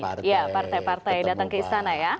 pasti ya partai partai datang ke sana ya